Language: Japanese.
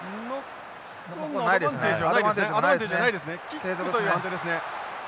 キックという判定ですね。